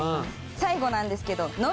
最後なんですけど。